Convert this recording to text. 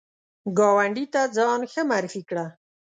ګاونډي ته ځان ښه معرفي کړه